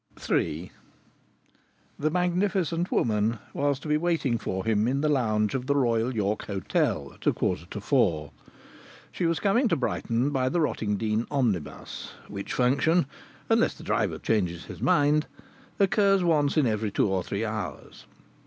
III The magnificent woman was to be waiting for him in the lounge of the Royal York Hotel at a quarter to four. She was coming in to Brighton by the Rottingdean omnibus, which function, unless the driver changes his mind, occurs once in every two or three hours.